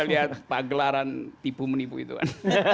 saya pagelaran tipu menipu itu kan